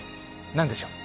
何でしょう？